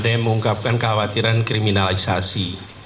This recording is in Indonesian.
ada yang mengungkapkan kekhawatiran kriminalisasi